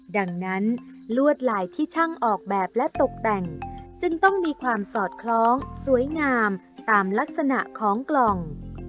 ดังนั้นลวดลายที่ช่างออกแบบและตกแต่งจึงต้องมีความสอดคล้องสวยงามตามลักษณะของกล่อง